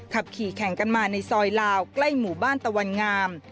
ขับขี่แข่งกันมาในซอยลาวใกล้หมู่บ้านตะวันงาม